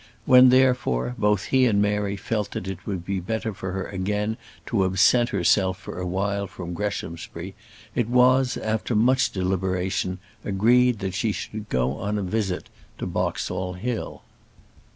When, therefore, both he and Mary felt that it would be better for her again to absent herself for a while from Greshamsbury, it was, after much deliberation, agreed that she should go on a visit to Boxall Hill.